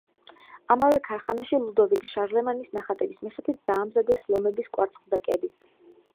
ამავე ქარხანაში ლუდოვიკ შარლემანის ნახატების მიხედვით დაამზადეს ლომების კვარცხლბეკები.